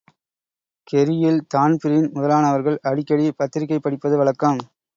கெரியில் Dan Breen முதலானவர்கள் அடிக்கடி பத்திரிகை படிப்பது வழக்கம்.